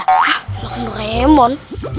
hah makan doraemon